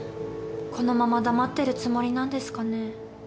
このまま黙ってるつもりなんですかねえ。